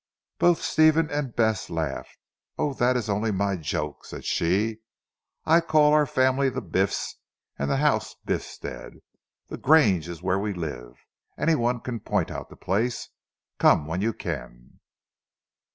Both Stephen and Bess laughed. "Oh, that is only my joke," said she, "I call our family the Biffs and the house Biffstead. The Grange is where we live. Anyone will point out the place. Come when you can."